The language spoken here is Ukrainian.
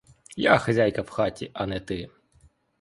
Я хазяйка в хаті, а не ти.